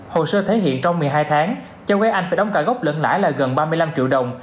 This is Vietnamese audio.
hồ sơ thể hiện trong một mươi hai tháng cháu gái anh phải đóng cả gốc lẫn lại là gần ba mươi năm triệu đồng